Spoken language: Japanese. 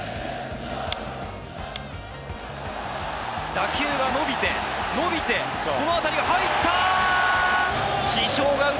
打球は、伸びて、伸びてこの当たりが入った！